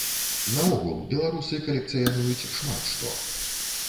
Наогул, беларусы калекцыянуюць шмат што.